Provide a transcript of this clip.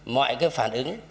mọi cái phản ứng kể